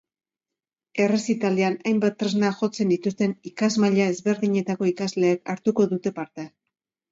Errezitaldian, hainbat tresna jotzen dituzten ikasmaila ezberdinetako ikasleek hartuko dute parte.